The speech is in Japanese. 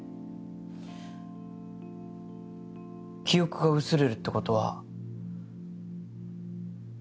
記憶が薄れるってことは。